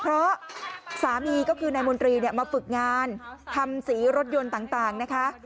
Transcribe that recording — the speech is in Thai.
เพราะสามีก็คือนายมนตรีมาฝึกงานทำสีรถยนต์ต่างนะคะ